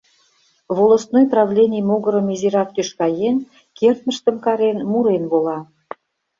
Волостной правлений могырым изирак тӱшка еҥ, кертмыштым карен, мурен вола.